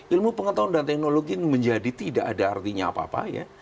ilmu pengetahuan dan teknologi ini menjadi tidak ada artinya apa apa ya